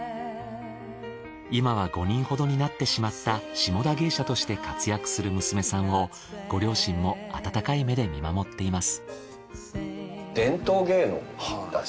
今は５人ほどになってしまった下田芸者として活躍する娘さんをご両親も温かい目で見守っています。